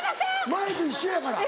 前と一緒やから。